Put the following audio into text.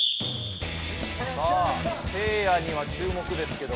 さあせいやにはちゅうもくですけど。